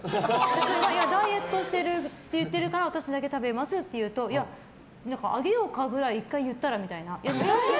それはダイエットしてるから私だけ食べますって言うといや、あげようか？くらい１回言ったらみたいな。